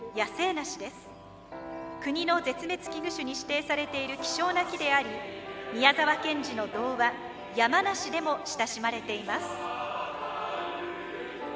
国の絶滅危惧種に指定されている希少な木であり宮沢賢治の童話「やまなし」でも親しまれています。